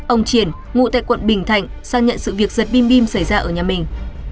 ông triển ngụ tại quận bình thạnh sang nhận sự việc giật bim bim xảy ra ở nhà mình